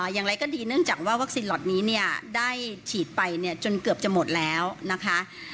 อย่างไรก็ดีเนื่องจากว่าวัคซีนล็อตนี้ได้ฉีดไปจนเกือบจะหมดแล้วนะคะ